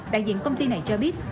đại diện công ty này cho biết